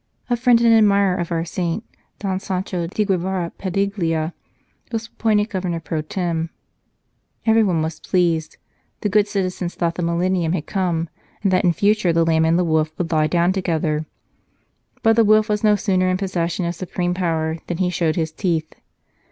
A friend and admirer of our saint, Don Sancho di Guevara Padiglia, was appointed Governor pro tern. Everyone was pleased ; the good citizens thought the millennium had come, and that in future the lamb and the wolf would lie down together. But the wolf was no sooner in possession of supreme power than he showed his teeth.